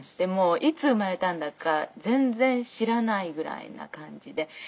いつ生まれたんだか全然知らないぐらいな感じで。